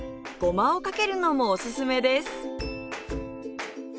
ごまをかけるのもおすすめです